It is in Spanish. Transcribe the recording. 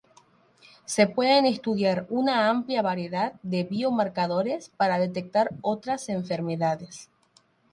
Se pueden estudiar una amplia variedad de biomarcadores para detectar otras enfermedades.